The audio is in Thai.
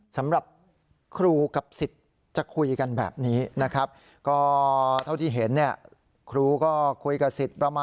สำหรับครูกับสิทธิ์จะคุยกันแบบนี้นะครับ